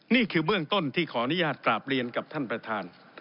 นี่คือเบื้องต้นที่ขออนุญาตกราบเรียนกับท่านประธาน